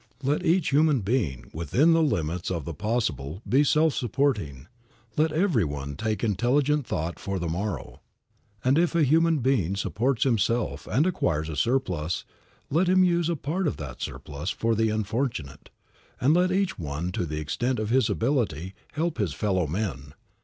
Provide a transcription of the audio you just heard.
Let each human being, within the limits of the possible be self supporting; let every one take intelligent thought for the morrow; and if a human being supports himself and acquires a surplus, let him use a part of that surplus for the unfortunate; and let each one to the extent of his ability help his fellow men.